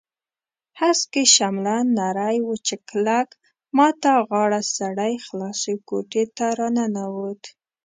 هسکې شمله نری وچ کلک، ما ته غاړه سړی خلاصې کوټې ته راننوت.